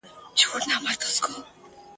خلکو هېر کړل چي یې ایښي وه نذرونه ..